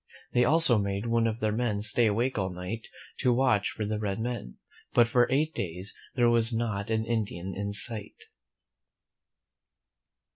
They also made one of their men stay awake all night to watch for the red men; but for eight days there was not an Indian in sight.